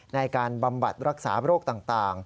ในการบำบัดรักษาโรคต่าง